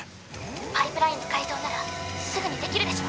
パイプラインの改造ならすぐにできるでしょ。